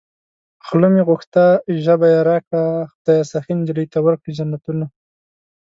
خوله مې غوښته ژبه يې راکړه خدايه سخي نجلۍ ته ورکړې جنتونه